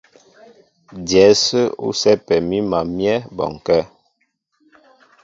Dyɛ̌ ásə́ nɛ́ ú sɛ́pɛ mǐm a myɛ́ bɔnkɛ́.